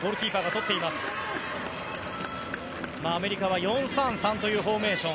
アメリカは４−３−３というフォーメーション。